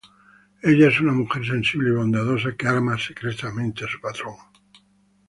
Ella es una mujer sensible y bondadosa, que ama secretamente a su patrón.